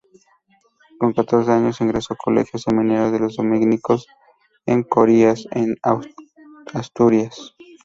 Con catorce años ingresó colegio seminario de los dominicos en Corias, en Asturias.